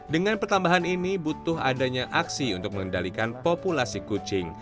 dengan pertambahan ini butuh adanya aksi untuk mengendalikan populasi kucing